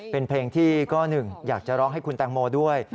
เป็นเพลงที่ก็หนึ่งอยากจะร้องให้คุณแตงโมด้วย